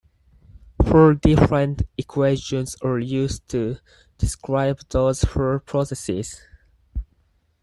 Four different equations are used to describe those four processes.